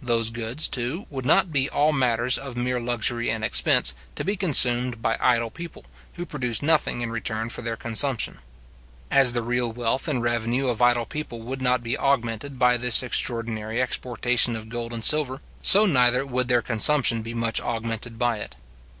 Those goods, too, would not be all matters of mere luxury and expense, to be consumed by idle people, who produce nothing in return for their consumption. As the real wealth and revenue of idle people would not be augmented by this extraordinary exportation of gold and silver, so neither would their consumption be much augmented by it.